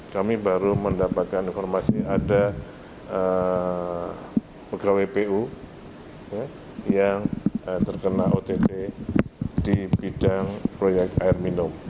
kami baru mendapatkan informasi ada pegawai pu yang terkena ott di bidang proyek air minum